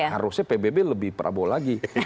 harusnya pbb lebih prabowo lagi